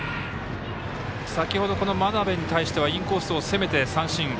先ほど、真鍋に対してはインコースを攻めて三振。